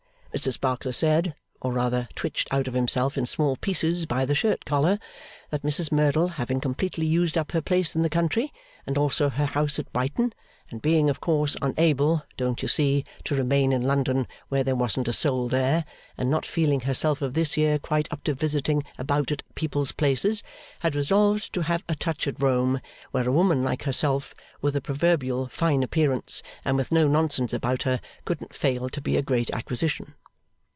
Mr Sparkler said, or rather twitched out of himself in small pieces by the shirt collar, that Mrs Merdle having completely used up her place in the country, and also her house at Brighton, and being, of course, unable, don't you see, to remain in London when there wasn't a soul there, and not feeling herself this year quite up to visiting about at people's places, had resolved to have a touch at Rome, where a woman like herself, with a proverbially fine appearance, and with no nonsense about her, couldn't fail to be a great acquisition.